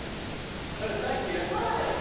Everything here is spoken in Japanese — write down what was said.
さっきいらっしゃったよね？